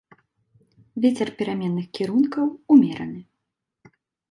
Вецер пераменных кірункаў, умераны.